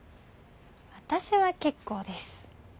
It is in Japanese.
私は結構です。